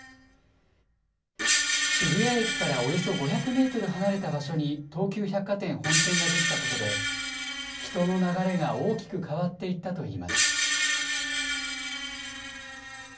渋谷駅からおよそ５００メートル離れた場所に東急百貨店本店が出来たことで、人の流れが大きく変わっていったといいます。